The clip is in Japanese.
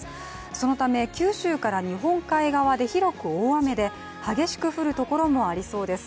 そのため九州から日本海側で広く大雨で激しく降るところもありそうです。